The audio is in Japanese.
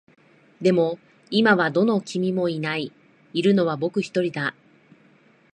でも、今はどの君もいない。いるのは僕一人だ。